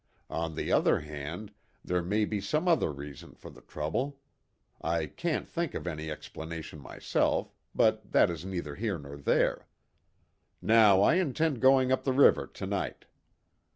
On the other hand, there may be some other reason for the trouble. I can't think of any explanation myself, but that is neither here nor there. Now I intend going up the river to night.